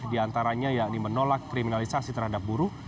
diantaranya yakni menolak kriminalisasi terhadap buru